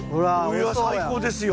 いや最高ですよ。